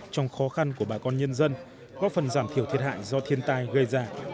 trong khó khăn của bà con nhân dân góp phần giảm thiểu thiệt hại do thiên tai gây ra